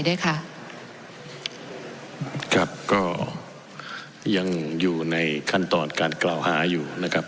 ด้วยค่ะครับก็ยังอยู่ในขั้นตอนการกล่าวหาอยู่นะครับ